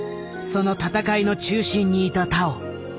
その闘いの中心にいた田尾。